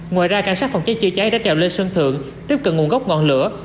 ngoài ra cảnh sát phòng cháy chữa cháy đã trèo lên sân thượng tiếp cận nguồn gốc ngọn lửa